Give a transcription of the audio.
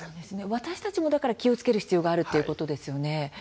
私たちも気をつける必要があるということですね。